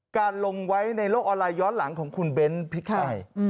การลงไว้ในโลกออนไลน์ย้อนหลังของคุณเบ้นพริกไทย